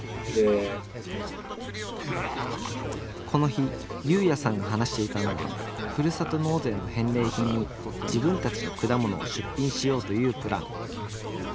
この日侑弥さんが話していたのはふるさと納税の返礼品に自分たちの果物を出品しようというプラン。